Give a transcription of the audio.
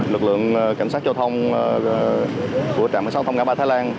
lực lượng cảnh sát giao thông của trạm phát sóng thông cả ba thái lan